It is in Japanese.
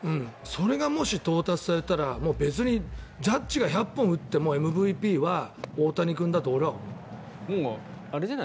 それがもし到達されたら別にジャッジが１００本打ってもＭＶＰは大谷君だと思う。